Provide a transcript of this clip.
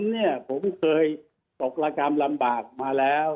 เนี่ยผมเคยตกระกรรมลำบากมาแล้ว